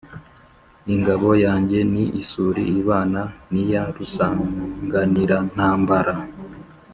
Ingabo yanjye ni isuli ibana n'iya Rusanganirantambara,